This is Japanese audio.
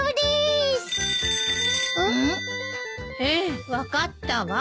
ええ分かったわ。